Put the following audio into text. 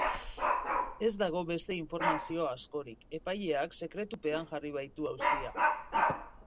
Ez dago beste informazio askorik, epaileak sekretupean jarri baitu auzia.